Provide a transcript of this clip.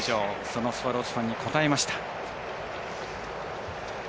そのスワローズファンに応えました。